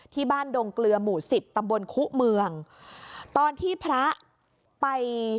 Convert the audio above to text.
ดงเกลือหมู่สิบตำบลคุเมืองตอนที่พระไป